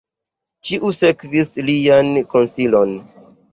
Ĉiu sekvis lian konsilon.